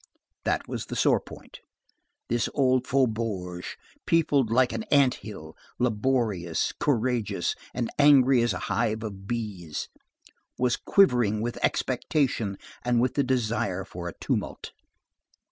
That was the sore point. This old faubourg, peopled like an ant hill, laborious, courageous, and angry as a hive of bees, was quivering with expectation and with the desire for a tumult.